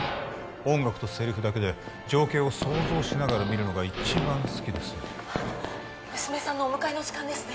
音楽とセリフだけで情景を想像しながら見るのが一番好きです娘さんのお迎えの時間ですね